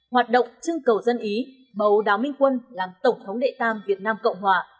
hoạt động trưng cầu dân ý bầu đào minh quân làm tổng thống đệ tam việt nam cộng hòa